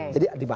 jadi di mana